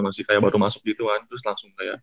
masih kayak baru masuk gitu kan terus langsung kayak